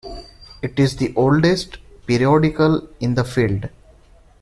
It is the oldest periodical in the field.